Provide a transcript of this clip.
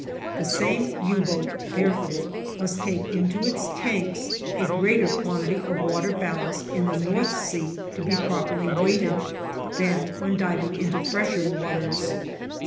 The same U boat, therefore, must take into its tanks a greater quantity of water ballast in the North Sea, to be properly weighted, than when diving into fresher waters.